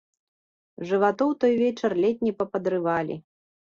Жыватоў той вечар ледзь не пападрывалі.